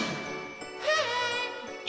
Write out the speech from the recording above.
はい！